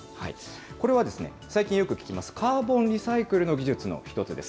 これはですね、最近よく聞きますカーボンリサイクルの技術の一つです。